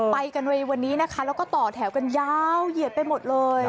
ไปกันในวันนี้นะคะแล้วก็ต่อแถวกันยาวเหยียดไปหมดเลย